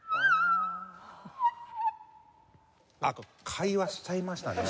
会話しちゃいましたね。